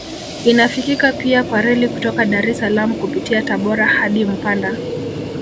Inafikika pia kwa reli kutoka Dar es Salaam kupitia Tabora hadi mpanda